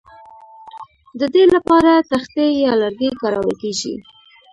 د دې لپاره تختې یا لرګي کارول کیږي